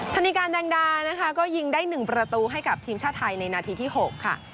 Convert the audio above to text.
ธนิการแดงดานะคะก็ยิงได้๑ประตูให้กับทีมชาติไทยในนาทีที่๖ค่ะ